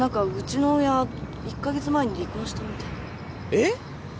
えっ？